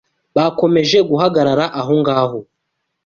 Bakomeje guhagarara aho ngaho